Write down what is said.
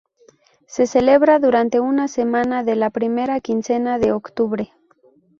Se celebra durante una semana de la primera quincena de Octubre.